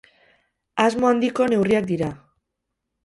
Asmo handiko neurriak dira.